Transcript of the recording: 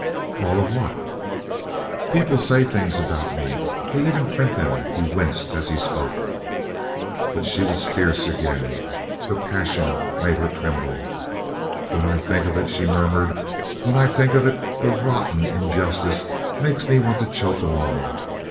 "All of what?" "People say things about me. They even print them." He winced as he spoke. But she was fierce again; her passion made her tremble. "When I think of it!" she murmured. "When I think of it, the rotten injustice makes me want to choke 'em all!